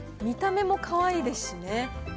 見た目もかわいいですしね。